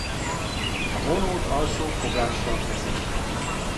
A vonót alsó fogással kezelik.